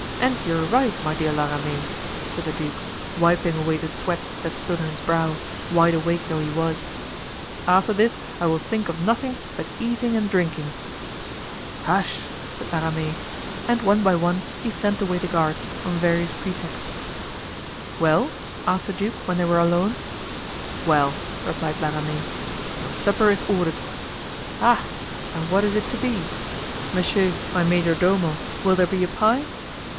"And you are right, my dear La Ramee," said the duke, wiping away the sweat that stood on his brow, wide awake though he was; "after this I will think of nothing but eating and drinking." "Hush!" said La Ramee; and one by one he sent away the guards, on various pretexts. "Well?" asked the duke when they were alone. "Well!" replied La Ramee, "your supper is ordered." "Ah! and what is it to be? Monsieur, my majordomo, will there be a pie?"